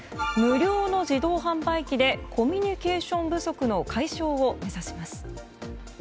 無料の自動販売機でコミュニケーション不足の解消を目指します。